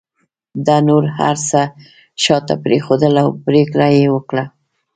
ده نور هر څه شاته پرېښودل او پرېکړه یې وکړه